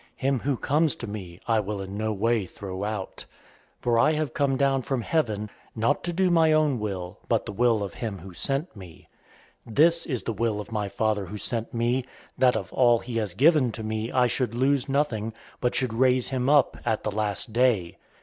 Him who comes to me I will in no way throw out. 006:038 For I have come down from heaven, not to do my own will, but the will of him who sent me. 006:039 This is the will of my Father who sent me, that of all he has given to me I should lose nothing, but should raise him up at the last day.